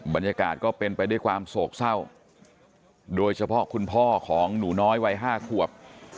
บรรยากาศก็เป็นไปด้วยความโศกเศร้าโดยเฉพาะคุณพ่อของหนูน้อยวัย๕ขวบ